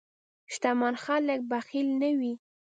شتمن خلک بخیل نه وي.